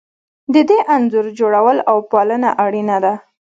د دې انځور جوړول او پالنه اړینه ده.